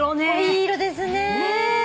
いい色ですね。